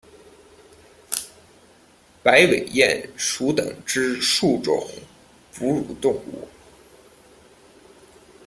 白尾鼹属等之数种哺乳动物。